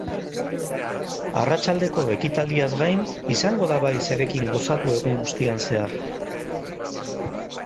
Arratsaldeko ekitaldiaz gain, izango da bai zerekin gozatu egun guztian zehar.